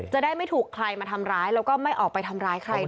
จะได้ไม่ถูกใครมาทำร้ายแล้วก็ไม่ออกไปทำร้ายใคร